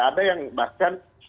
ada yang bahkan